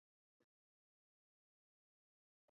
八个桥墩均有分水尖。